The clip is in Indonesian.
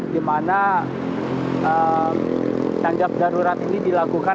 di mana tanggap darurat ini dilakukan